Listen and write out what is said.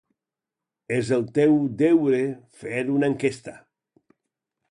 És el teu deure fer una enquesta.